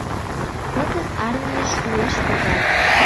— Кызыт армийыш уэш погат.